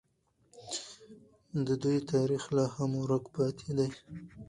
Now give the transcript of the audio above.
د دوی تاریخ لا هم ورک پاتې دی.